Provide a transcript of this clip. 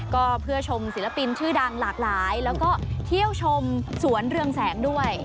ก็เพื่อชมศิลปินชื่อดังหลากหลายแล้วก็เที่ยวชมสวนเรืองแสงด้วย